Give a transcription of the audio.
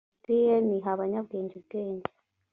dn iha abanyabwenge ubwenge